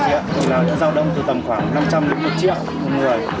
thì là giao đông từ tầm khoảng năm trăm linh đến một triệu một người